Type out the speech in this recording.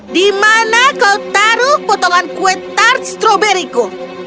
di mana kau taruh potolan kue tar strawberryku